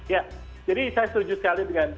jadi saya setuju sekali dengan